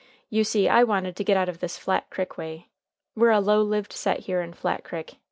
You see I wanted to git out of this Flat Crick way. We're a low lived set here in Flat Crick.